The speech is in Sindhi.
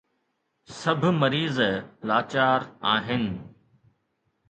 سڀ مريض لاچار آهن.